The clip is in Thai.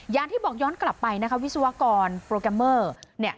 อย่างที่บอกย้อนกลับไปนะคะวิศวกรโปรแกรมเมอร์เนี่ย